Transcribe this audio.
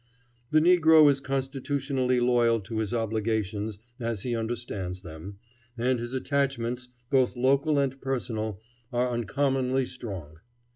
The negro is constitutionally loyal to his obligations as he understands them, and his attachments, both local and personal, are uncommonly strong.